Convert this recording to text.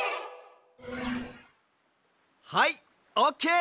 はいオッケー！